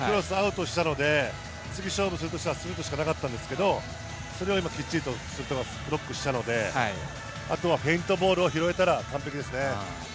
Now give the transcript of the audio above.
次、勝負するとしたらストレートしかなかったんですけど、それをしっかりブロックしたのであとはフェイントボールを拾えたら完璧ですね。